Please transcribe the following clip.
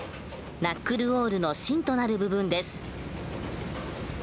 ナックル・ウォールの芯となる部分です。